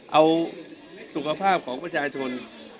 เอาสุขภาพของประชาชน